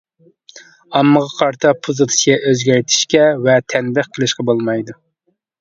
ئاممىغا قارىتا پوزىتسىيە ئۆزگەرتىشكە ۋە تەنبىھ قىلىشقا بولمايدۇ.